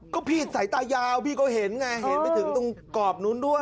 ก็พี่ใส่ตายาวก็เห็นมาถึงกรอบนู้นด้วย